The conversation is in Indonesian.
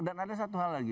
dan ada satu hal lagi